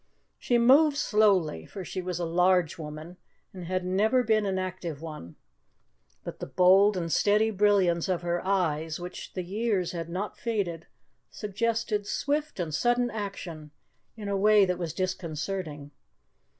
She moved slowly, for she was a large woman and had never been an active one; but the bold and steady brilliance of her eyes, which the years had not faded, suggested swift and sudden action in a way that was disconcerting.